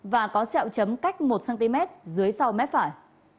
và có xẹo chấm cách một cm dưới sau mép phải